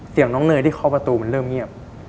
น้องเนยที่เคาะประตูมันเริ่มเงียบ